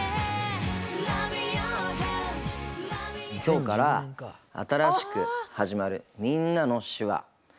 今日から新しく始まる「みんなの手話」。